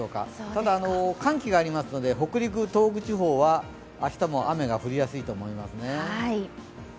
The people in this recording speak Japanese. ただ、寒気がありますので北陸、東北地方は明日も雨が降りやすいと思いますね。